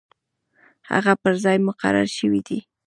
هغه پر ځای مقرر شوی دی.